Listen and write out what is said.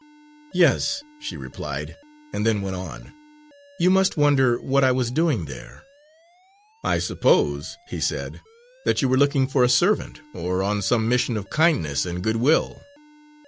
"Yes," she replied, and then went on, "you must wonder what I was doing there." "I suppose," he said, "that you were looking for a servant, or on some mission of kindness and good will."